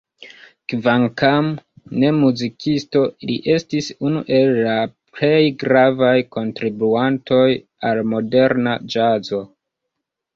Kvankam ne muzikisto, li estis unu el la plej gravaj kontribuantoj al moderna ĵazo.